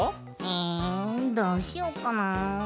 えどうしよっかな。